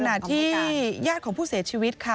ขณะที่ญาติของผู้เสียชีวิตค่ะ